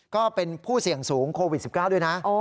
ก็เป็นผู้เสี่ยงสูงโควิด๑๙ด้วยนะ